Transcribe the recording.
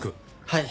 はい。